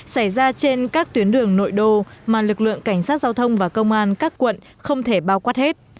xảy ra trên các tuyến đường nội đô mà lực lượng cảnh sát giao thông và công an các quận không thể bao quát hết